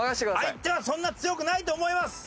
相手はそんな強くないと思います。